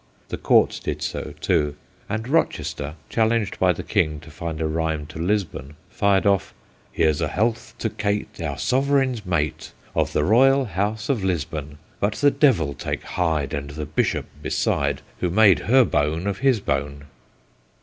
The Court did so too, and Rochester, challenged by the King to find a rhyme to Lisbon, fired off: 1 Here 's health to Kate, Our Sovereign's mate, Of the royal house of Lisbon : But the devil take Hyde, And the Bishop beside, Who made her bone of his bone.'